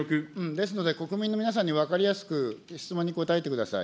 ですので、国民の皆さんに、分かりやすく質問に答えてください。